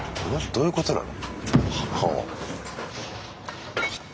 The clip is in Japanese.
どういうことなの？